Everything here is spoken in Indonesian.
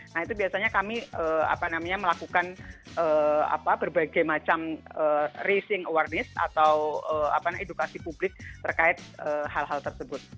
nah itu biasanya kami melakukan berbagai macam racing awareness atau edukasi publik terkait hal hal tersebut